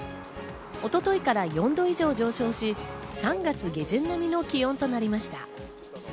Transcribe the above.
一昨日から４度以上上昇し、３月下旬並みの気温となりました。